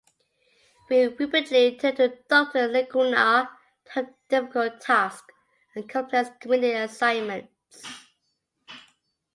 We repeatedly turned to Doctor Lecuona to head difficult tasks and complex committee assignments.